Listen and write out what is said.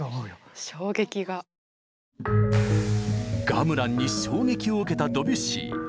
ガムランに衝撃を受けたドビュッシー。